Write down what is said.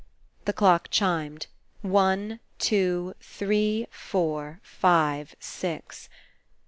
The clock chimed. One. Two, Three. Four. Five. Six.